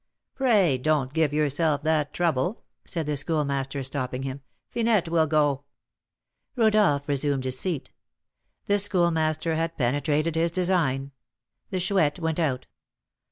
"Pray don't give yourself that trouble," said the Schoolmaster, stopping him; "Finette will go." Rodolph resumed his seat. The Schoolmaster had penetrated his design. The Chouette went out.